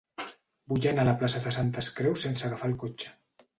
Vull anar a la plaça de Santes Creus sense agafar el cotxe.